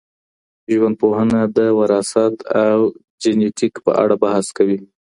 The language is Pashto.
ژوندپوهنه د وراثت او جینټیک په اړه بحث کوي.